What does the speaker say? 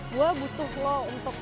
gue butuh lo untuk